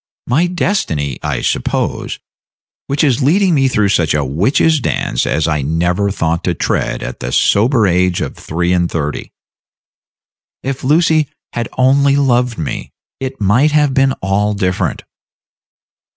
My destiny, I suppose, which is leading me through such a witch's dance as I never thought to tread at the sober age of three and thirty. If Lucy had only loved me, it might have been all different."